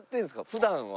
普段は。